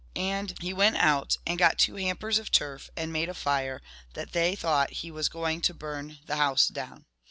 And he went out and got two hampers of turf, and made a fire, 82 that they thought he was going to burn the house down.